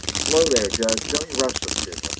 Slow there, Judge! Don't you rush this business!